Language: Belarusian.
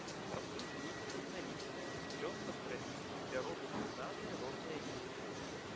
Растуць ліпа драбналістая, клён вастралісты, бяроза пухнатая, розныя віды кустоў.